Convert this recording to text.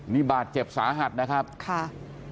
นี่บาดเจ็บสาหัสนะครับค่ะ